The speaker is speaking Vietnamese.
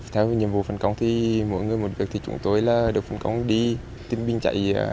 theo nhiệm vụ phân công chúng tôi được phân công đi tìm bình chạy